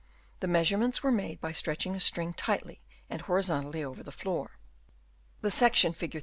The measurements were made by stretching a string tightly and horizontally over the floor. The sec tion, Fig.